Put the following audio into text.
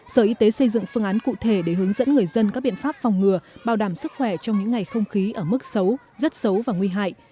sở y tế xây dựng phương án cụ thể để hướng dẫn người dân các biện pháp phòng ngừa bảo đảm sức khỏe trong những ngày không khí ở mức xấu rất xấu và nguy hại